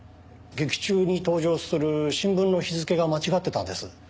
劇中に登場する新聞の日付が間違ってたんです。